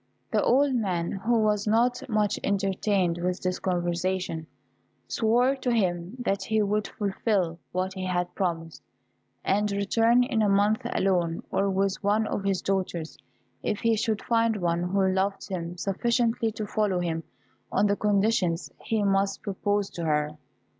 The old man, who was not much entertained with this conversation, swore to him that he would fulfil what he had promised, and return in a month alone or with one of his daughters, if he should find one who loved him sufficiently to follow him on the conditions he must propose to her.